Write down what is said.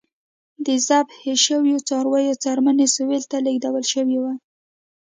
د ذبح شویو څارویو څرمنې سویل ته لېږدول شوې وای.